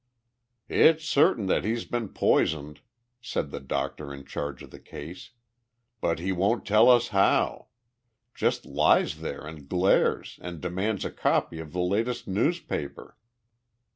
"It's certain that he's been poisoned," said the doctor in charge of the case, "but he won't tell us how. Just lies there and glares and demands a copy of the latest newspaper.